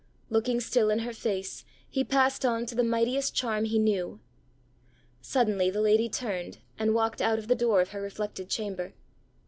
Looking still in her face, he passed on to the mightiest charm he knew. Suddenly the lady turned and walked out of the door of her reflected chamber.